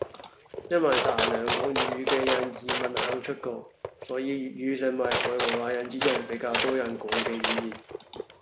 因為大量講粵語嘅人移民行出國，所以粵語成為海外華人之中比較多人講嘅語言